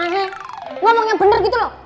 ngomong yang bener gitu loh